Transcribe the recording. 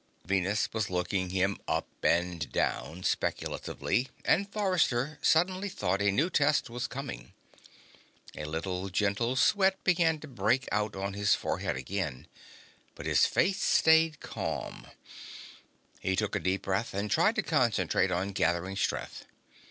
Venus was looking him up and down speculatively, and Forrester suddenly thought a new test was coming. A little gentle sweat began to break out on his forehead again, but his face stayed calm. He took a deep breath and tried to concentrate on gathering strength.